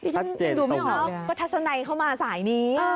ฉันยังดูไม่ออกก็ทัศนัยเข้ามาสายนี้